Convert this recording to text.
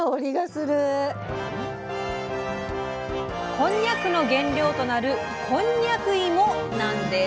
こんにゃくの原料となるこんにゃく芋なんです。